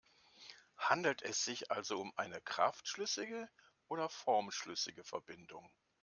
Handelt es sich also um eine kraftschlüssige oder formschlüssige Verbindung?